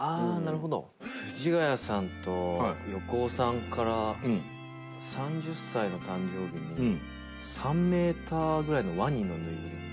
藤ヶ谷さんと横尾さんから３０歳の誕生日に３ｍぐらいのワニのぬいぐるみ。